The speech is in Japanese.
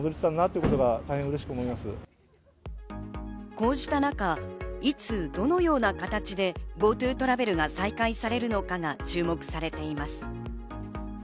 こうした中、いつどのような形でＧｏＴｏトラベルが再開されるのかが注目されています。